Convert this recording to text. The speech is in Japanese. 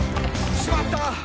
「しまった！